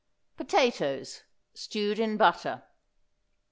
POTATOES, STEWED IN BUTTER.